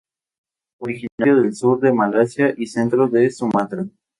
Originario del sur de Malasia y centro de Sumatra.